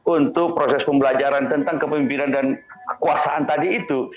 untuk proses pembelajaran tentang kepemimpinan dan kekuasaan tadi itu